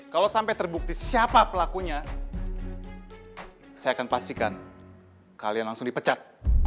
kalau sampai terbukti siapa pelakunya saya akan pastikan kalian langsung dipecat